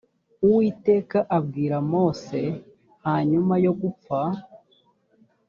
uwiteka abwira mose hanyuma yo gupfa